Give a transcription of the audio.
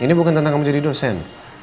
ini bukan tentang kamu jadi dosen